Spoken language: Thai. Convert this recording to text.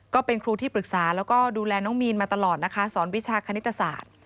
ก็เป็นครูที่ปรึกษาแล้วก็ดูแลน้องมีนมาตลอดนะคะสอนวิชาคณิตศาสตร์